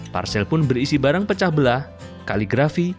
parsel pun berisi barang pecah belah kaligrafi